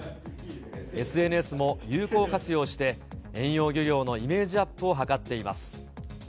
ＳＮＳも有効活用して、遠洋漁業のイメージアップを図っています。